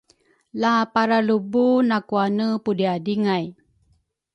La paralubu nakwane pudriadringay